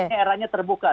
ini era nya terbuka